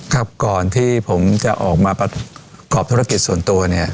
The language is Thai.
กันที่ผมจากจะกรอบธุรกิจส่วนตัวเนี่ย